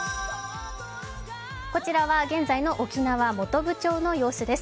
こちらは現在の沖縄・本部町の様子です。